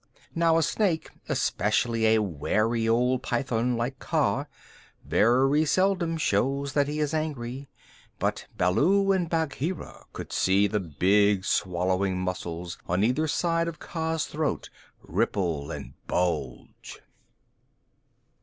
Now a snake, especially a wary old python like Kaa, very seldom shows that he is angry, but Baloo and Bagheera could see the big swallowing muscles on either side of Kaa's throat ripple and bulge.